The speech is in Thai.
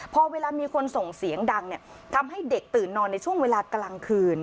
พอเวลามีคนส่งเสียงดังเนี่ยทำให้เด็กตื่นนอนในช่วงเวลากลางคืน